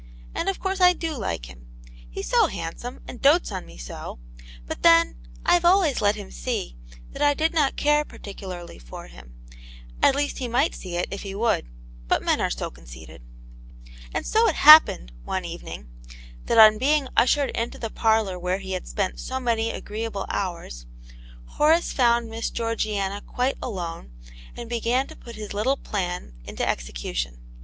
And of course I do like him. He's so handsome, and dotes on me so; but then, I've always let him see that I did not care particularly for him, at least he might see it if he would, but men are so con ceited." And so it happened, one evening, that on being ushered into the parlour where he had spent so many agreeable hours, Horace found Miss Geor giana quite alone, and began to put his little plan into execution.